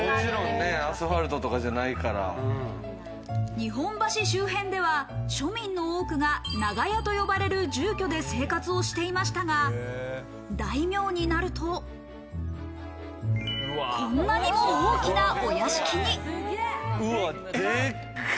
日本橋周辺では、庶民の多くが長屋と呼ばれる住居で生活をしていましたが、大名になると、こんなにも大きなお屋敷に。